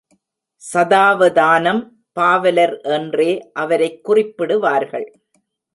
சதாவதானம் பாவலர் என்றே அவரைக் குறிப்பிடுவார்கள்.